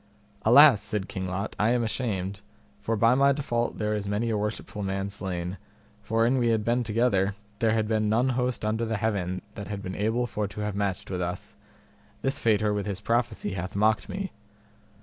Alas, said King Lot, I am ashamed, for by my default there is many a worshipful man slain, for an we had been together there had been none host under the heaven that had been able for to have matched with us; this faiter with his prophecy hath mocked me.